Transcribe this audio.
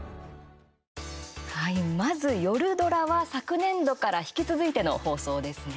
まず夜ドラは昨年度から引き続いての放送ですね。